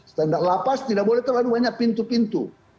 standar lapas tidak boleh terlalu banyak pintu pintu